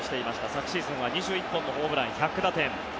昨シーズンは２１本のホームラン１００打点。